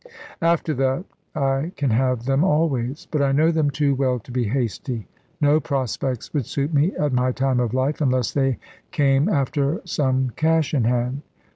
After that, I can have them always. But I know them too well, to be hasty. No prospects would suit me, at my time of life, unless they came after some cash in hand.